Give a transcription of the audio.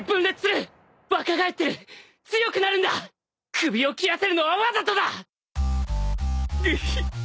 首を斬らせるのはわざとだ！ヒヒッ。